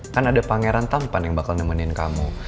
kan ada pangeran tampan yang bakal nemenin kamu